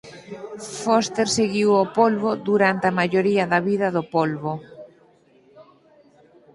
Foster seguiu o polbo durante a maioría da vida do polbo.